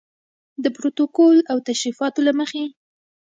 د پروتوکول او تشریفاتو له مخې.